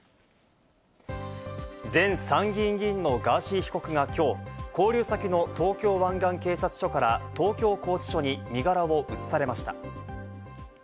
前参議院議員のガーシー被告がきょう、勾留先の東京湾岸警察署から東京拘置所に身柄を移されました。